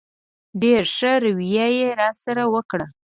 ډېره ښه رویه یې راسره وکړه.